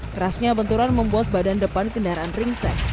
kerasnya benturan membuat badan depan kendaraan ringsek